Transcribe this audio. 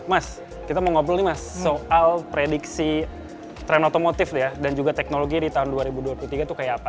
mas kita mau ngobrol nih mas soal prediksi tren otomotif ya dan juga teknologi di tahun dua ribu dua puluh tiga itu kayak apa